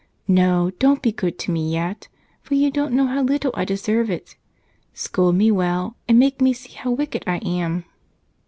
No, don't be good to me yet, for you don't know how little I deserve it. Scold me well, and make me see how wicked I am."